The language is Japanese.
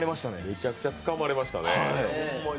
めちゃくちゃつかまれましたね。